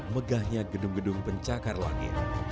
megahnya gedung gedung pencakar langit